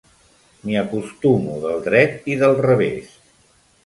M'hi acostumo del dret i del revés.